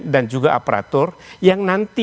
dan juga aparatur yang nanti